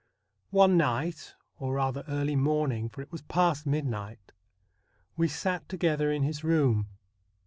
One night, or rather early morning, for it was past mid night, we sat together in his room.